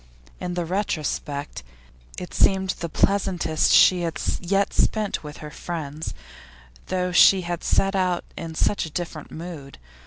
In the retrospect it seemed the pleasantest she had yet spent with her friends, though she had set out in such a different mood.